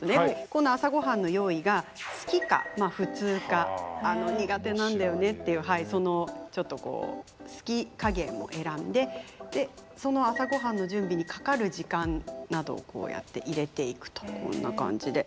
この朝ごはんの用意が好きか普通か苦手なんだよねっていうはいちょっとこう好き加減を選んでその朝ごはんの準備にかかる時間などをこうやって入れていくとこんな感じで。